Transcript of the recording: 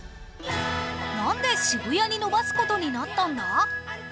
なんで渋谷に延ばす事になったんだ？